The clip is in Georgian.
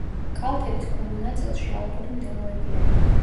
კალთების ქვემო ნაწილში ალპური მდელოებია.